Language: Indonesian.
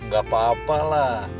gak apa apa lah